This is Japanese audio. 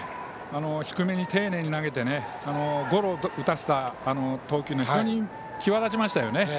低めに丁寧に投げてゴロを打たせた投球は非常に際立ちましたよね。